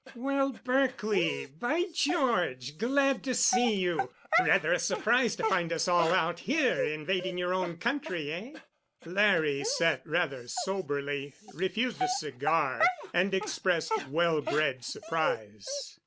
"Well, Berkely, by George! glad to see you. Rather a surprise to find us all out here invading your own country, eh?" Larry sat rather soberly, refused a cigar, and expressed well bred surprise.